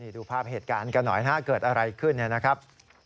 ดูภาพเหตุการณ์กันหน่อยนะครับเกิดอะไรขึ้นนะครับ